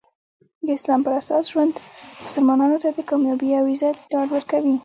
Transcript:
د اسلام پراساس ژوند مسلمانانو ته د کامیابي او عزت ډاډ ورکوي.